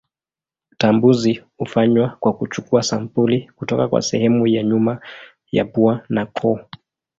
Utambuzi hufanywa kwa kuchukua sampuli kutoka kwa sehemu ya nyuma ya pua na koo.